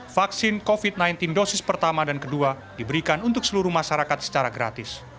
vaksin covid sembilan belas dosis pertama dan kedua diberikan untuk seluruh masyarakat secara gratis